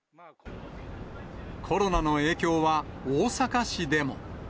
コロナの影響は、大阪市でも。